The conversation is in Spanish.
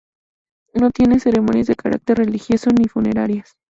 No tienen ceremonias de carácter religioso, ni funerarias.